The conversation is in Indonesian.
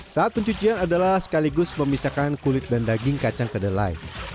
saat pencucian adalah sekaligus memisahkan kulit dan daging kacang kedelai